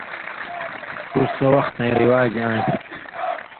ݜُو، سو وختیں رِواج آن٘سیۡ،